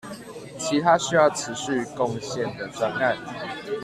其他需要持續貢獻的專案